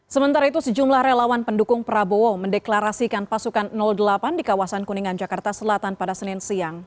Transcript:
sementara itu sejumlah relawan pendukung prabowo mendeklarasikan pasukan delapan di kawasan kuningan jakarta selatan pada senin siang